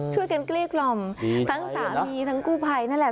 ช่วยกันกลีกล่อมทั้งสามีทั้งกูภัยนั่นแหละ